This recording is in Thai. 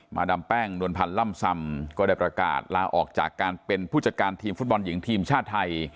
ดามแป้งนวลพันธ์ล่ำซำก็ได้ประกาศลาออกจากการเป็นผู้จัดการทีมฟุตบอลหญิงทีมชาติไทย